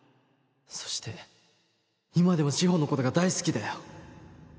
そして今でも志法の事が大好きだよ。